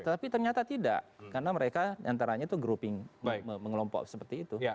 tapi ternyata tidak karena mereka diantaranya itu grouping mengelompok seperti itu